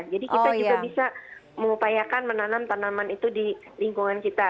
jadi kita juga bisa mengupayakan menanam tanaman itu di lingkungan kita